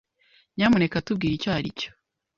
Nyamuneka tubwire icyo aricyo.